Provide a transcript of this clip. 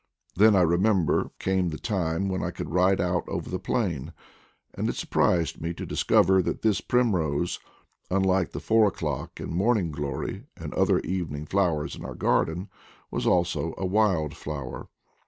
Then, I remember, came the time when I could ride out over the plain ; and it surprised me to discover that this primrose, unlike the four o'clock and morning glory, and other evening flow ers in our garden, was also a wild flower.